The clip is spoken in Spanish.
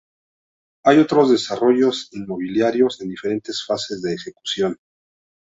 Hay otros desarrollos inmobiliarios en diferentes fases de ejecución.